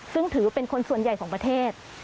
ซึ่งถือเป็นคนส่วนใหญ่ของประเทศ